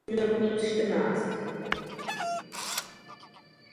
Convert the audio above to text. Nahradil zesnulého poslance Václava Zeleného.